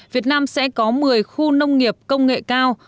việt nam sẽ có một mươi khu nông nghiệp công nghệ cao